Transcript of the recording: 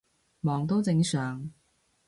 忙都正常